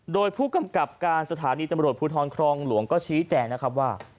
โดยผู้กำกับการสถานีตำรวจภูทรครองหลวงก็ชี้แจงนะครับว่า